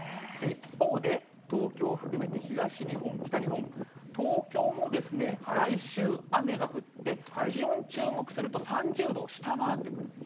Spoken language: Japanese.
一方で、東京を含めて東日本、北日本、東京も来週、雨が降って、気温注目すると、３０度を下回ってくる。